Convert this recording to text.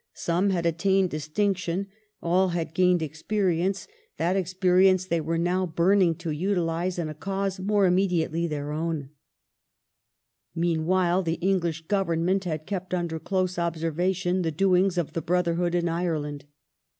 Some had attained distinction, all had gained experience ; that ex perience they were now burning to utilize in a cause more im mediately their own. Fenianism Meanwhile, the English Government had kept under close observation the doings of the Brotherhood in Ireland.